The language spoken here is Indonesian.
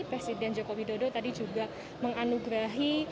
presiden jokowi dodo tadi juga menganugerahi